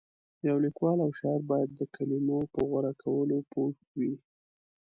یو لیکوال او شاعر باید د کلمو په غوره کولو پوه وي.